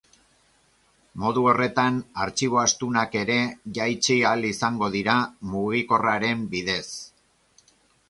Modu horretan, artxibo astunak ere jaitsi ahal izango dira mugikorraren bidez.